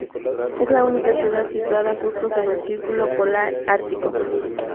Es la única ciudad situada justo sobre el círculo polar ártico.